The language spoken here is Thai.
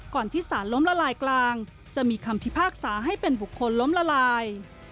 ที่สารล้มละลายกลางจะมีคำพิพากษาให้เป็นบุคคลล้มละลาย